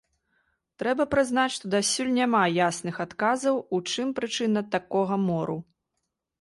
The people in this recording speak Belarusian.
Трэба прызнаць, што дасюль няма ясных адказаў, у чым прычына такога мору.